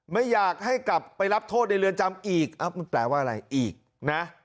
ไม่อยากให้กลับไปรับโทษในเรือนจำอีกมันแปลว่าอะไรอีกนะ